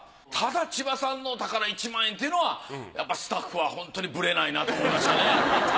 ただ千葉さんのお宝１万円っていうのはスタッフはホントにブレないなと思いましたね。